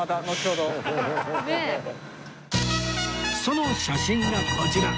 その写真がこちら